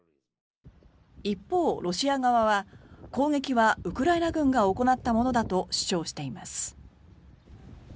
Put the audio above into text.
一方、ロシア側は、攻撃はウクライナ軍が行ったものだと主張しています。